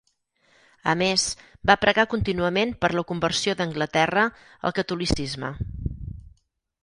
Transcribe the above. A més, va pregar contínuament per la conversió d'Anglaterra al catolicisme.